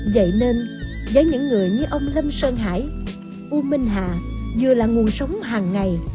vậy nên với những người như ông lâm sơn hải u minh hạ vừa là nguồn sống hàng ngày